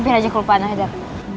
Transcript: biar aja gue panah dad